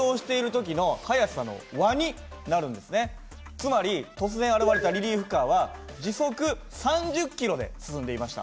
つまり突然現れたリリーフカーは時速３０キロで進んでいました。